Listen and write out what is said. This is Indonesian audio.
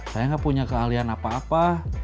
saya gak punya keahlian apa apa